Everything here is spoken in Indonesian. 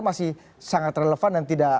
masih sangat relevan dan tidak